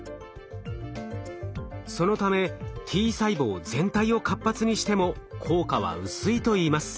そのためＴ細胞全体を活発にしても効果は薄いといいます。